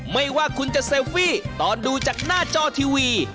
ไม่ว่าคุณจะเซลฟี่ตอนดูจากหน้าจอทีวี